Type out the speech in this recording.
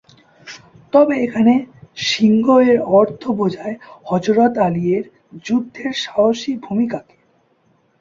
তবে এখানে "সিংহ" এর অর্থ বোষায় হযরত আলী এর যুদ্ধের সাহসী ভূমিকাকে।